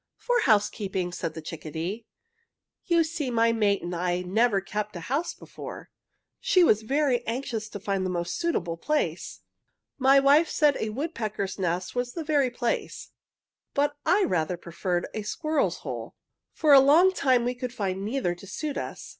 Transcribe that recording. "For housekeeping," said the chickadee. "You see my mate and I had never kept house before. She was very anxious to find a most suitable place. "My wife said a woodpecker's nest was the very place, but I rather preferred a squirrel's hole. "For a long time we could find neither to suit us.